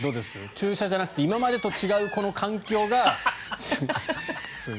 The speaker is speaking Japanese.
注射じゃなくて今までと違うこの環境が。